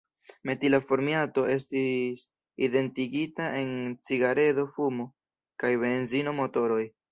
Metila formiato estis identigita en cigaredo-fumo kaj benzino-motoroj.